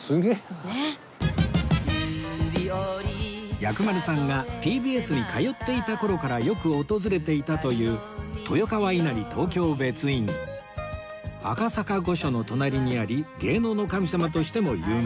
薬丸さんが ＴＢＳ に通っていた頃からよく訪れていたという赤坂御所の隣にあり芸能の神様としても有名